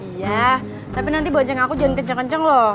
iya tapi nanti boceng aku jangan kenceng kenceng loh